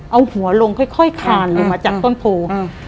เอาหัวลงค่อยคานลงมาจากต้นโพ